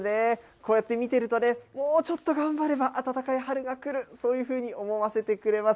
こうやって見ていると、もうちょっと頑張れば、暖かい春が来る、そういうふうに思わせてくれます。